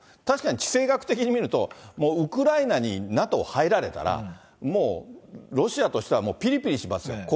確かに地政学的に見ると、ウクライナにＮＡＴＯ、入られたら、もうロシアとしては、もうぴりぴりしますよ。